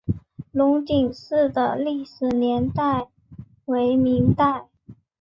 龙井寺的历史年代为明代。